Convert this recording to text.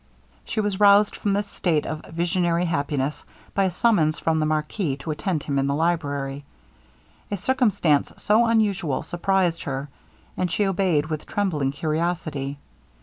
She was roused from this state of visionary happiness, by a summons from the marquis to attend him in the library. A circumstance so unusual surprized her, and she obeyed with trembling curiosity.